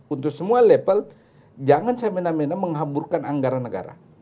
untuk semua level jangan semena mena menghamburkan anggaran negara